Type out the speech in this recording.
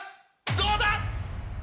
どうだ⁉